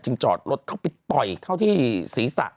จอดรถเข้าไปต่อยเข้าที่ศีรษะ